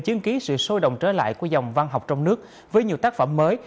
chứng ký sự sôi động trở lại của dòng văn học trong nước với nhiều tác phẩm mới